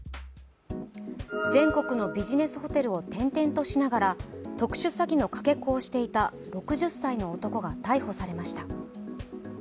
全国のビジネスホテルを転々としながら特殊詐欺のかけ子をしていた６０歳の男が逮捕されました。